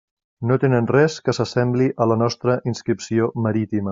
No tenen res que s'assembli a la nostra inscripció marítima.